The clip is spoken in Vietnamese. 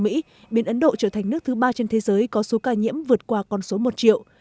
tại mỹ biển ấn độ trở thành nước thứ ba trên thế giới có số ca nhiễm vượt qua con số một triệu